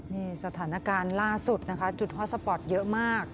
นี่สถานการณ์ล่าสุดนะคะจุดฮอตสปอร์ตเยอะมาก